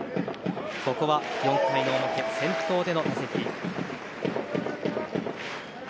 ここは４回の表、先頭での打席。